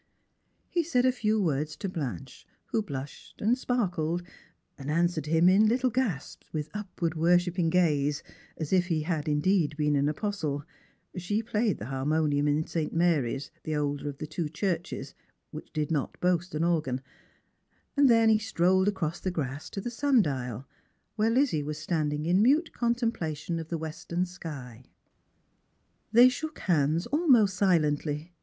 He said a few words to Blanche, who blushed, and sparkled, and answered him in little gasps, with upward worshipping gaze, as if he had been indeed an apostle ; talked with Diana for five minutes or so about the choir — she played the har monium in St. Mary's, the older of the two churches, which did not boast an organ ; and then strolled across the grass to the sundial, where Lizzie was still standing in mute contemplation of the western sky. They shook hands almost silently.